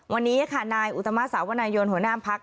วันนี้ค่ะนายอุตมาสาวนายนหัวหน้าพัก